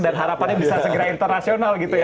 dan harapannya bisa segera internasional gitu ya